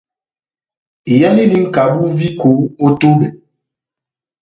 Iyɛnindi nʼkabu viko ό túbɛ.